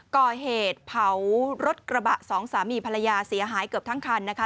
ก่อเหตุเผารถกระบะสองสามีภรรยาเสียหายเกือบทั้งคันนะคะ